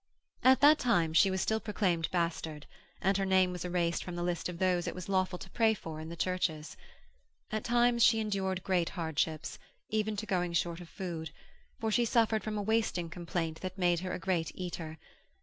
At that time she was still proclaimed bastard, and her name was erased from the list of those it was lawful to pray for in the churches. At times she endured great hardships, even to going short of food, for she suffered from a wasting complaint that made her a great eater.